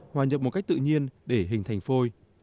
hòa nhập một cách tự nhiên để hình thành phôi